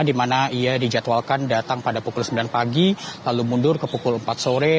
di mana ia dijadwalkan datang pada pukul sembilan pagi lalu mundur ke pukul empat sore